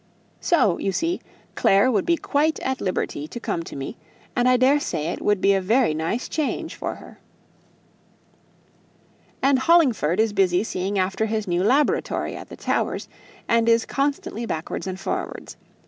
So, you see, Clare would be quite at liberty to come to me, and I daresay it would be a very nice change for her." "And Hollingford is busy seeing after his new laboratory at the Towers, and is constantly backwards and forwards.